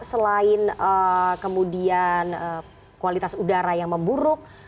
selain kemudian kualitas udara yang memburuk